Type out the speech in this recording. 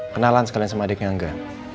kenalan sekalian sama adiknya angga